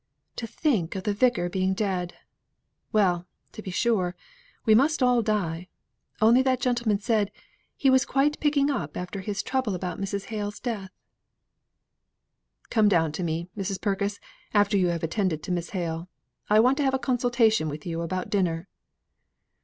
To think of the Vicar being dead! Well, to be sure, we must all die; only that gentleman said, he was quite picking up after his trouble about Mrs. Hale's death." "Come down to me, Mrs. Purkis, after you have attended to Miss Hale. I want to have a consultation with you about dinner."